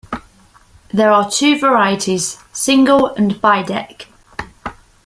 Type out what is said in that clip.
There are two varieties; single and bi-deck.